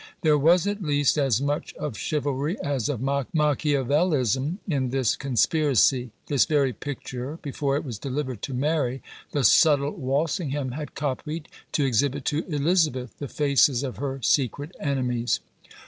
There was at least as much of chivalry as of Machiavelism in this conspiracy. This very picture, before it was delivered to Mary, the subtile Walsingham had copied, to exhibit to Elizabeth the faces of her secret enemies.